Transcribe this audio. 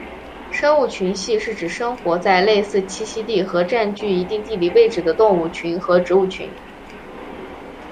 生物群系是指生活在类似栖息地和占据一定地理地区的动物群和植物群。